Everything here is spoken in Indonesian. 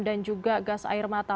dan juga gas air mata